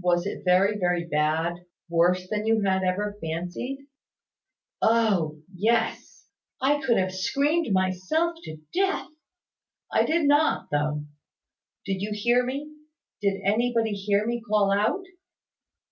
"Was it very, very bad? Worse than you had ever fancied?" "Oh! Yes. I could have screamed myself to death. I did not, though. Did you hear me, did anybody hear me call out?"